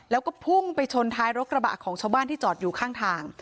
แล้วก็พุ่งไปชนท้ายรถกระบะของชาวบ้านที่จอดอยู่ข้างทาง